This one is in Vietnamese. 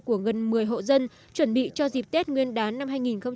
của gần một mươi hộ dân chuẩn bị cho dịp tết nguyên đán năm hai nghìn một mươi bảy